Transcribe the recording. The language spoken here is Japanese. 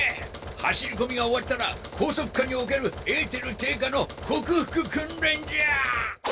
走り込みが終わったら拘束下におけるエーテル低下の克服訓練じゃ！